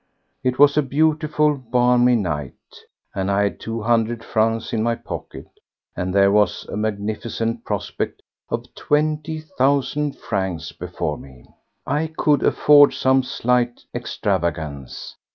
It was a beautiful, balmy night. I had two hundred francs in my pocket and there was a magnificent prospect of twenty thousand francs before me! I could afford some slight extravagance.